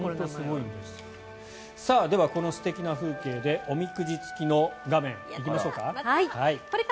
では、この素敵な風景でおみくじ付きの画面行きましょうか？